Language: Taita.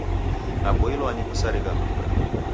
Naboilwaa ni kusarigha mpira.